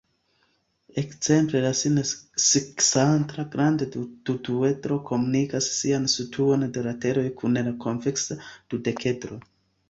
Ekzemple la sin-sekcanta granda dekduedro komunigas sian situon de lateroj kun la konveksa dudekedro.